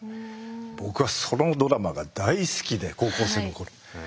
僕はそのドラマが大好きで高校生の頃。